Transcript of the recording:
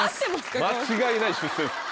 間違いない出世です。